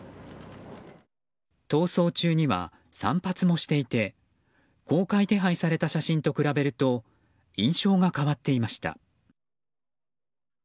逃走中には散髪もしていて公開手配された写真と比べると印象が変わっていました。